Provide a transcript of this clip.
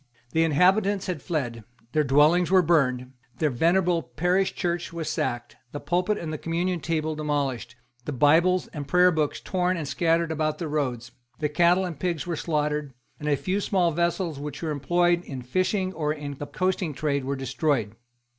The inhabitants had fled. Their dwellings were burned; the venerable parish church was sacked, the pulpit and the communion table demolished, the Bibles and Prayer Books torn and scattered about the roads; the cattle and pigs were slaughtered; and a few small vessels which were employed in fishing or in the coasting trade, were destroyed.